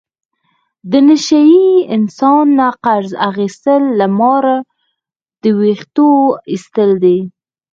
د نشه یي انسان نه قرض اخستل له ماره د وېښتو ایستل دي.